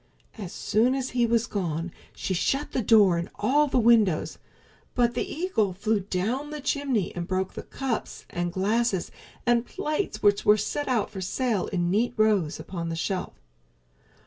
As soon as he was gone she shut the door and all the windows, but the eagle flew down the chimney and broke the cups and glasses and plates which were set out for sale in neat rows upon the shelf.